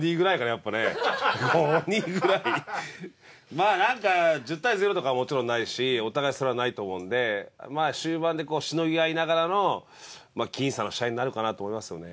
まあなんか１０対０とかはもちろんないしお互いそれはないと思うんでまあ終盤でこうしのぎ合いながらの僅差の試合になるかなと思いますけどね。